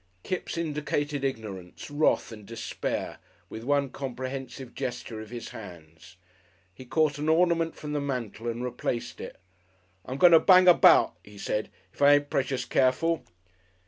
Kipps indicated ignorance, wrath and despair with one comprehensive gesture of his hands. He caught an ornament from the mantel and replaced it. "I'm going to bang about," he said, "if I ain't precious careful."